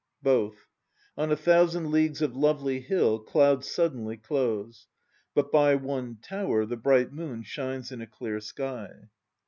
BOTH. "On a thousand leagues of lovely hill clouds suddenly close; But by one tower the bright moon shines in a clear sky."